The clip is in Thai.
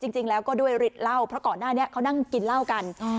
จริงแล้วก็ด้วยฤทธิ์เหล้าเพราะก่อนหน้านี้เขานั่งกินเหล้ากัน